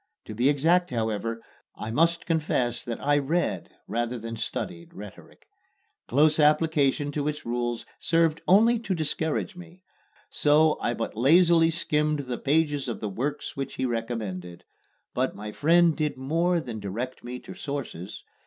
To be exact, however, I must confess that I read rather than studied rhetoric. Close application to its rules served only to discourage me, so I but lazily skimmed the pages of the works which he recommended. But my friend did more than direct me to sources.